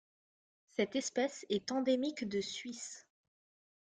Cette espèce est endémique de Suisse.